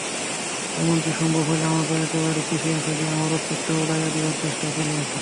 এমনকি সম্ভব হইলে আমাকে একেবারে পিষিয়া ফেলিয়া আমার অস্তিত্ব উড়াইয়া দিবার চেষ্টাও চলিয়াছে।